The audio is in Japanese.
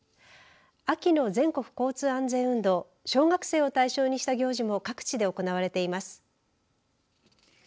秋の全国交通安全運動小学生を対象にした行事も各地で行われています。